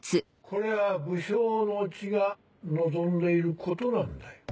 これは武将の血が望んでいることなんだよ。